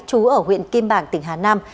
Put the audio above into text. chú ở huyện kim bảng tỉnh hà nam